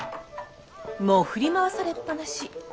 もう振り回されっぱなし。